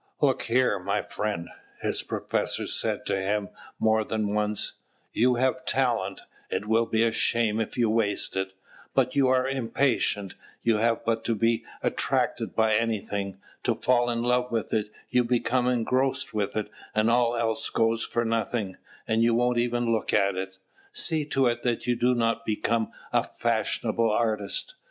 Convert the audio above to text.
"Look here, my friend," his professor said to him more than once, "you have talent; it will be a shame if you waste it: but you are impatient; you have but to be attracted by anything, to fall in love with it, you become engrossed with it, and all else goes for nothing, and you won't even look at it. See to it that you do not become a fashionable artist.